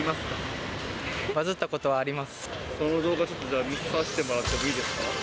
バズったことありますか？